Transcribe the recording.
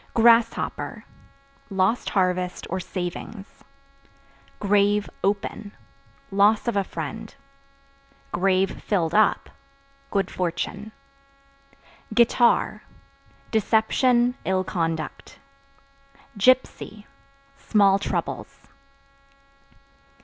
Grasshopper Lost harvest or savings. Grave (Open) loss of a friend; (filled up) good fortune. Guitar Deception, ill conduct. Gypsy Small troubles.